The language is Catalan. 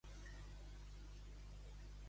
Què pensaven els nens de com vestia en Melrosada?